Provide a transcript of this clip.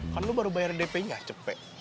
kan lo baru bayar dpnya cepek